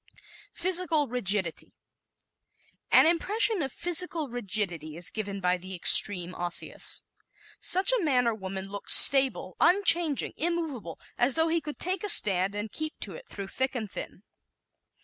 Physical Rigidity ¶ An impression of physical rigidity is given by the extreme Osseous. Such a man or woman looks stable, unchanging, immovable as though he could take a stand and keep to it through thick and thin.